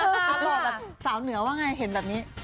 หล่อแบบสาวเหนือว่าไงเห็นแบบนี้